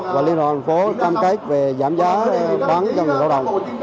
và liên đoàn hàn quốc cam kết về giảm giá bán cho người lao động